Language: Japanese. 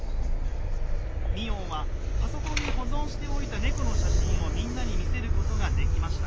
ミオンはパソコンに保存しておいた猫の写真をみんなに見せることができました。